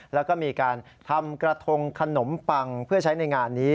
แล้วก็มีการทำกระทงขนมปังเพื่อใช้ในงานนี้